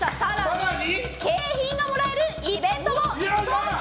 更に景品がもらえるイベントも！